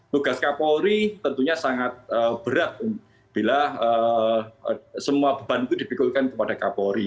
tugas kapolri tentunya sangat berat bila semua beban itu dipikulkan kepada kapolri